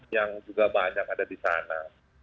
yang juga banyak ada di sana